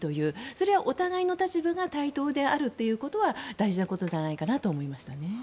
それはお互いの立場が対等であることが大事なことじゃないかなと思いました。